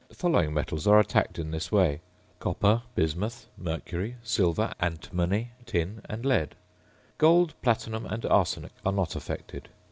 The following metals are attacked in this way: copper, bismuth, mercury, silver, antimony, tin, and lead. Gold, platinum, and arsenic are not affected.